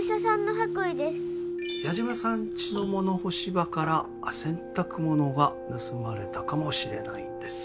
矢島さんちの物干し場から洗濯物が盗まれたかもしれないんです。